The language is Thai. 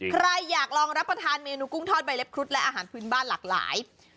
ใครอยากลองรับประทานเมนูกุ้งทอดใบเล็บครุฑและอาหารพื้นบ้านหลากหลาย